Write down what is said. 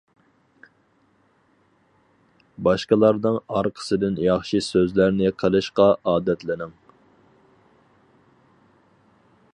باشقىلارنىڭ ئارقىسىدىن ياخشى سۆزلەرنى قىلىشقا ئادەتلىنىڭ.